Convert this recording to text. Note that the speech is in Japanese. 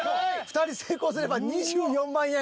２人成功すれば２４万円。